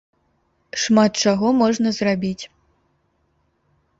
Шмат чаго можна зрабіць.